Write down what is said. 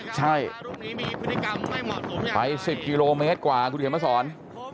ใช่ไป๑๐กิโลเมตรกว่าคุณเห็นประสอร์น